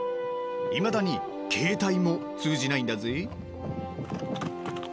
いまだにケータイも通じないんだぜ。